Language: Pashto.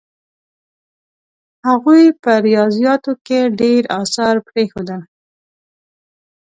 هغوی په ریاضیاتو کې ډېر اثار پرېښودل.